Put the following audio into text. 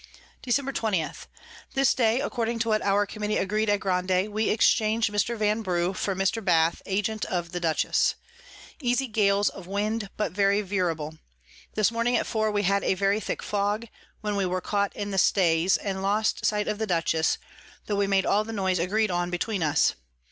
Dec. 20. This day, according to what our Committee agreed at Grande, we exchang'd Mr. Vanbrugh for Mr. Bath Agent of the Dutchess. Easy Gales of Wind, but very veerable. This morning at four we had a very thick Fog, when we were caught in Stays, and lost sight of the Dutchess, tho we made all the noise agreed on between us.